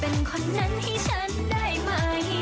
เป็นคนนั้นให้ฉันได้ไหม